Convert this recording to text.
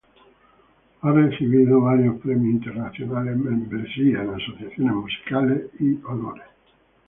Ha recibido varios premios internacionales, membresías en asociaciones musicales y honores.